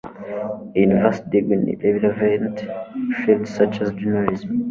A university degree in a relevant field such as journalism